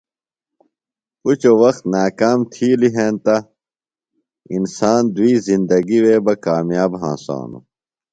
اُچوۡ وخت ناکام تِھیلیۡ ہینتہ انسان دُوئی زندگیۡ وے بہ کامیاب ہنسانوۡ۔